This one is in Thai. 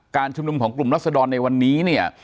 ชุมนุมของกลุ่มรัศดรในวันนี้เนี่ย